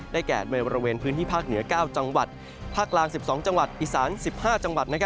แก่ในบริเวณพื้นที่ภาคเหนือ๙จังหวัดภาคกลาง๑๒จังหวัดอีสาน๑๕จังหวัด